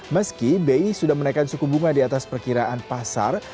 meski bi sudah menaikkan suku bunga di atas perkiraan pasar